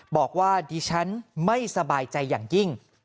บอกว่าดิฉันไม่สบายใจอย่างยิ่ง